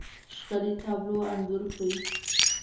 ښکلې، تابلو انځور کړي